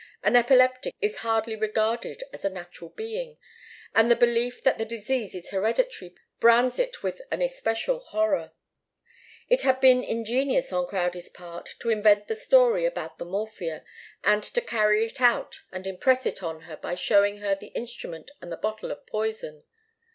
An epileptic is hardly regarded as a natural being, and the belief that the disease is hereditary brands it with an especial horror. It had been ingenious on Crowdie's part to invent the story about the morphia, and to carry it out and impress it on her by showing her the instrument and the bottle of poison.